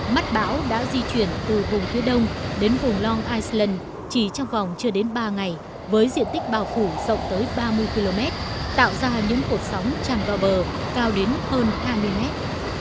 mắt bão đã di chuyển từ vùng phía đông đến vùng loung iceland chỉ trong vòng chưa đến ba ngày với diện tích bào phủ rộng tới ba mươi km tạo ra những cuộc sóng tràn vào bờ cao đến hơn hai mươi mét